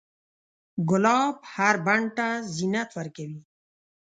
ګلاب هر بڼ ته زینت ورکوي.